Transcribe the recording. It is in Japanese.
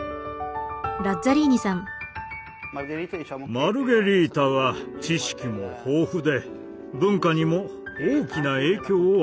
マルゲリータは知識も豊富で文化にも大きな影響を与えました。